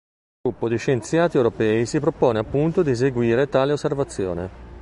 Un gruppo di scienziati europei si propone appunto di eseguire tale osservazione.